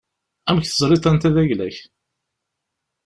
Amek teẓriḍ anta d ayla-k?